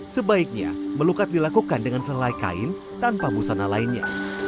sebaiknya melukat dilakukan dengan selai kain tanpa busana lainnya